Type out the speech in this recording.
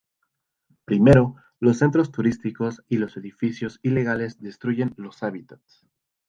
Primero, los centros turísticos y los edificios ilegales destruyen los hábitats.